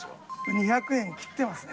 ２００円切ってますね。